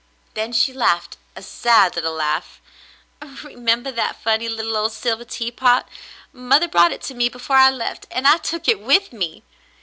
Then she laughed a sad little laugh. "Remember that funny little old silver teapot. Mother brought it to me before I left, and I took it with me